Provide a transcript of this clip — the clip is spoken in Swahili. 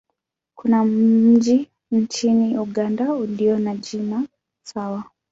Kuna mji nchini Uganda ulio na jina sawa.